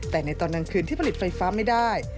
แต่ในตอนกลางคืนที่ผลิตไฟฟ้าไม่ได้